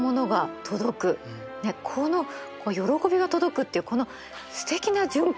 この喜びが届くっていうこのすてきな循環。